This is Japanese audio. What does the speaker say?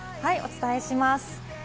お伝えします。